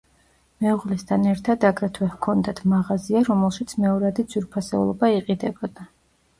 მეუღლესთან ერთად აგრეთვე ჰქონდათ მაღაზია, რომელშიც მეორადი ძვირფასეულობა იყიდებოდა.